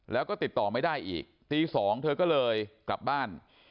แล้วก็ติดต่อไม่ได้อีกตี๒เธอก็เลยกลับบ้าน